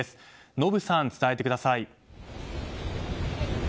延さん、伝えてください。